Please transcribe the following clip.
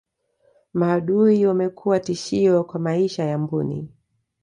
maadui wamekuwa tishio kwa maisha ya mbuni